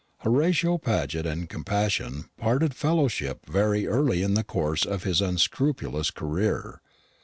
Horatio Paget and compassion parted fellowship very early in the course of his unscrupulous career.